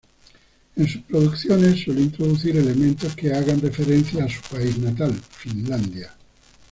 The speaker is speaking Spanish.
En sus producciones suele introducir elementos que hagan referencia a su país natal, Finlandia.